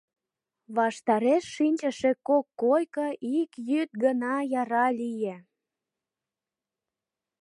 Ваштареш шинчыше кок койко ик йӱд гына яра лие.